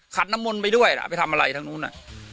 น้ำมนต์ไปด้วยล่ะไปทำอะไรทางนู้นน่ะ